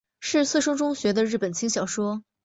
是赤松中学的日本轻小说。